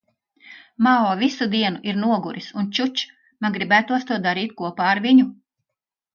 Mao visu dienu ir noguris un čuč. Man gribētos to darīt kopā ar viņu.